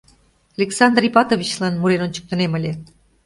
Александр Ипатовичлан мурен ончыктынем ыле.